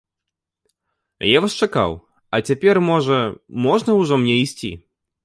Я вас чакаў, а цяпер, можа, можна ўжо мне ісці?